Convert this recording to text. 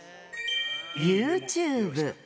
ユーチューブ。